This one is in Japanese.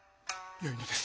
よいのです。